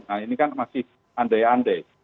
nah ini kan masih andai andai